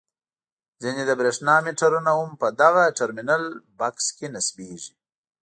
ځینې د برېښنا میټرونه هم په دغه ټرمینل بکس کې نصبیږي.